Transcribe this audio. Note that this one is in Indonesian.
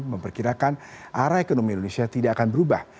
memperkirakan arah ekonomi indonesia tidak akan berubah